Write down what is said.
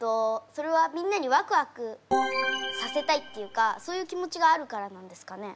それはみんなにワクワクさせたいっていうかそういう気持ちがあるからなんですかね？